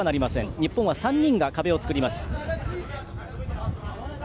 日本は３人が壁を作ります。